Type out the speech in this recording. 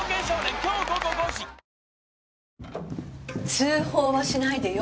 通報はしないでよ